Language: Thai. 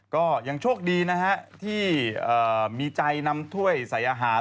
ก็ยังโชคดีนะฮะที่มีใจนำถ้วยใส่อาหาร